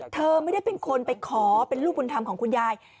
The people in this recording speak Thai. เธอไม่ได้เป็นคนไปขอเป็นลูกบุญธรรมของคุณยาย